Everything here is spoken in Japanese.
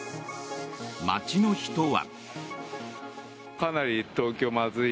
街の人は。